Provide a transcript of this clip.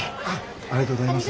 ありがとうございます。